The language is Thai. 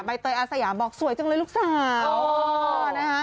ใบตรตัวเริ่มว่าสวยจังเลยลูกสาว